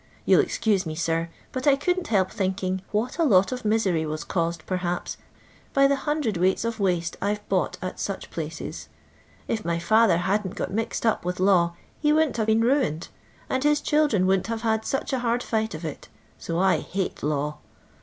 Ton 11 ezcnse me, sir, but I couldn't help thinking what a lot of misery was caused, peihaps, by the cwts. of waste I 've bought at such places. If my ftfther hadn't got mixed up with law he wouldn't haTe been ruined, and his children wouldn't have had such a hard fight of it ; so I hate law.